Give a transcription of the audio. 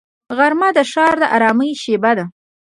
غرمه د ښار د ارامۍ شیبه ده